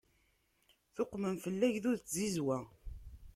Tuqmem fell-i agdud n tzizwa.